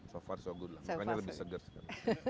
so far so good lah makanya lebih seger sekarang